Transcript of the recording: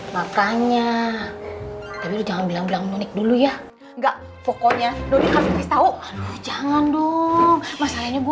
makanya tapi jangan bilang bilang dulu ya enggak pokoknya jangan dong masalahnya gua